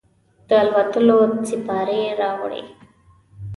د الوتلوسیپارې راوړي